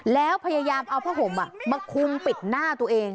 แล้วพยายามเอาผ้าห่มมาคุมปิดหน้าตัวเอง